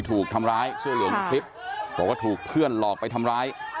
ถูกทำร้ายเสื้อเหลืองในคลิปบอกว่าถูกเพื่อนหลอกไปทำร้าย